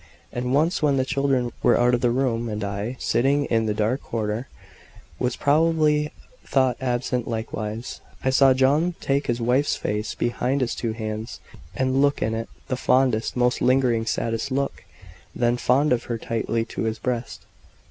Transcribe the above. And once, when the children were out of the room, and I, sitting in a dark corner, was probably thought absent likewise, I saw John take his wife's face between his two hands, and look in it the fondest, most lingering, saddest look! then fold her tightly to his breast.